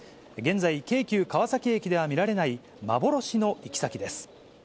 現在、京急川崎駅では見られない、幻の行き先です。